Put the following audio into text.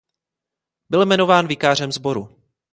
Byl jmenován vikářem sboru.